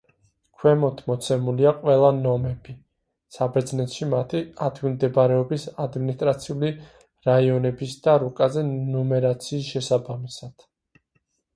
ქვემოთ მოცემულია ყველა ნომები საბერძნეთში მათი ადგილმდებარეობის ადმინისტრაციული რაიონების და რუკაზე ნუმერაციის შესაბამისად.